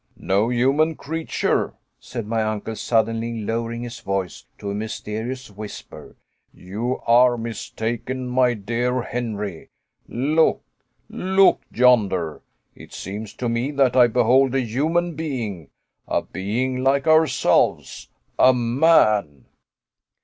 "No human creature," said my uncle, suddenly lowering his voice to a mysterious whisper, "you are mistaken, my dear Henry. Look! look yonder! It seems to me that I behold a human being a being like ourselves a man!"